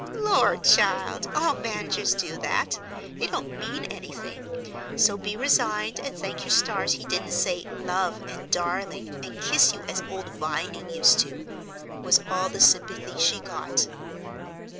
"Lord, child, all managers do it. They don't mean any thing; so be resigned, and thank your stars he didn't say 'love' and 'darling,' and kiss you, as old Vining used to," was all the sympathy she got.